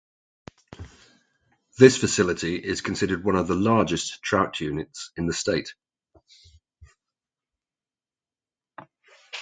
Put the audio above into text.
This facility is considered one of the largest trout units in the state.